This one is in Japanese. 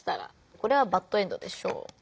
これはバッドエンドでしょう。